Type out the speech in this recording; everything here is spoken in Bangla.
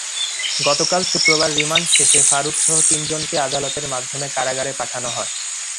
গতকাল শুক্রবার রিমান্ড শেষে ফারুকসহ তিনজনকে আদালতের মাধ্যমে কারাগারে পাঠানো হয়।